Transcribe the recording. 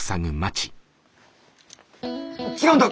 違うんだ